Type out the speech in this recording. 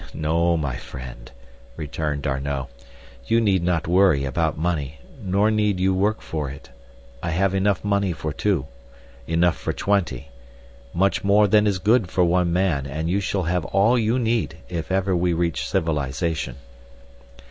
"No, my friend," returned D'Arnot, "you need not worry about money, nor need you work for it. I have enough money for two—enough for twenty. Much more than is good for one man and you shall have all you need if ever we reach civilization."